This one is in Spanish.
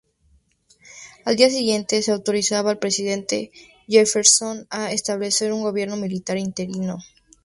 Al día siguiente se autorizaba al presidente Jefferson a establecer un gobierno militar interino.